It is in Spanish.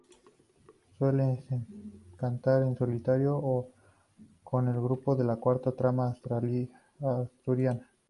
Suele cantar en solitario o con el grupo La Cuarta Trama Asturiana.